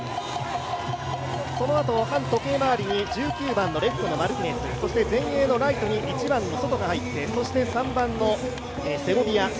そのあと反時計回りに１９番のレフトのマルティネス、そして、前衛のライトに１番のソトが入ってそして３番のセゴビア。